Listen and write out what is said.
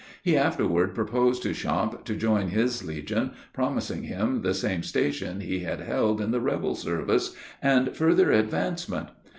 He afterward proposed to Champe to join his legion, promising him the same station he had held in the rebel service, and further advancement.